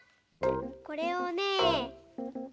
これをね